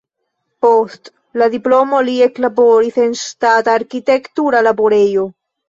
Post la diplomo li eklaboris en ŝtata arkitektura laborejo.